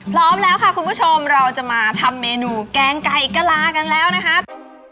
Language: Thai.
พร้อมแล้วค่ะคุณผู้ชมเราจะมาทำเมนูแกงไก่กะลากันแล้วนะครับ